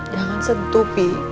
jangan sentuh pi